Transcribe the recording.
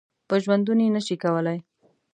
په ژوندوني نه شي کولای .